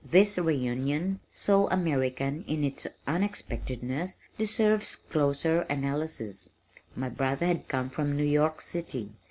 This reunion, so American in its unexpectedness, deserves closer analysis. My brother had come from New York City.